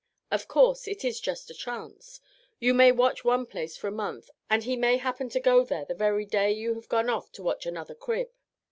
Of course, it is just a chance. You may watch one place for a month and he may happen to go there the very day you have gone off to watch another crib.